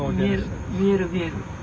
見える見える。